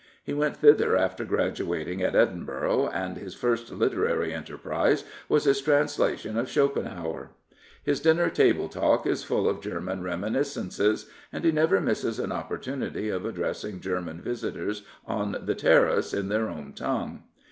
He went thither after graduating at Edinburgh, and his first literary enterprise was his translation of Schopenhauer. His dinner table talk is full of German reminiscences, and he never misses an oppor timity of addressing German visitors on the Terrace in their own tongue.